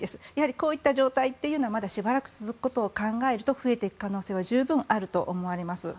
こういった状態はまだしばらく続くことを考えると増えていく可能性は十分あると思われます。